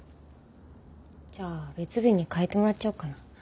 じゃあ別日に変えてもらっちゃおうかな。